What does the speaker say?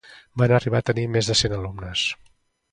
Van arribar a tenir més de cent alumnes.